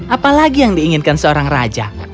apalagi yang diinginkan seorang raja